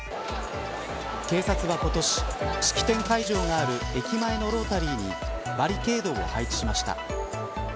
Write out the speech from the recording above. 警察は今年式典会場がある駅前のロータリーにバリケードを配置しました。